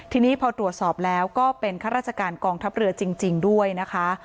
ทีนี้พอตรวจสอบแล้วก็เป็นข้าราชการกองทัพเรือจริงด้วยนะคะ